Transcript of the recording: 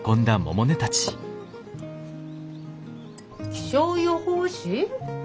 気象予報士？